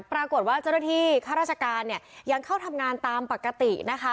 ปรากฏว่าเจ้าหน้าที่ข้าราชการเนี่ยยังเข้าทำงานตามปกตินะคะ